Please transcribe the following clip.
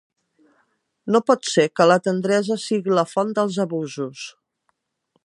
No pot ser que la tendresa sigui la font dels abusos.